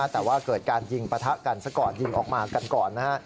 แต่ว่าเกิดการยิงปะทะกันซะก่อนยิงออกมากันก่อนนะฮะ